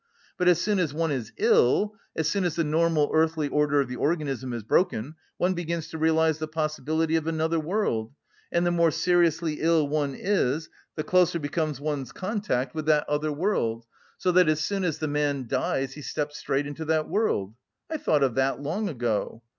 But as soon as one is ill, as soon as the normal earthly order of the organism is broken, one begins to realise the possibility of another world; and the more seriously ill one is, the closer becomes one's contact with that other world, so that as soon as the man dies he steps straight into that world. I thought of that long ago.